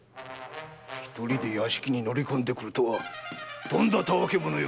一人で屋敷に乗り込んでくるとはとんだ戯け者よ！